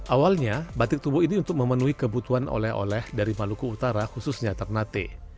awalnya batik tubuh ini untuk memenuhi kebutuhan oleh oleh dari maluku utara khususnya ternate